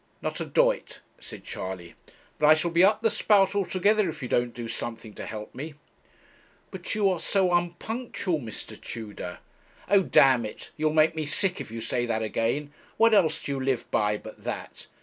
'Not a doit,' said Charley; 'but I shall be up the spout altogether if you don't do something to help me.' 'But you are so unpunctual, Mr. Tudor.' 'Oh, d it; you'll make me sick if you say that again. What else do you live by but that?